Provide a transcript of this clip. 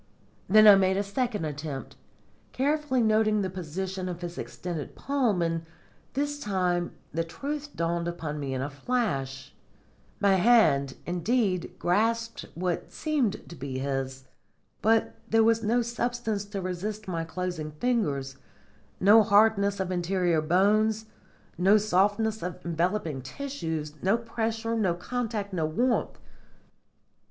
Then I made a second attempt, carefully noting the position of his extended palm, and this time the truth dawned upon me in a flash. My hand, indeed, grasped what seemed to be his. But there was no substance to resist my closing fingers, no hardness of interior bones, no softness of enveloping tissues, no pressure, no contact, no warmth.